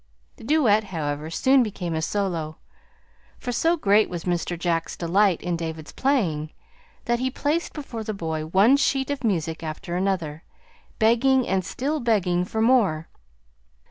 The duet, however, soon became a solo, for so great was Mr. Jack's delight in David's playing that he placed before the boy one sheet of music after another, begging and still begging for more.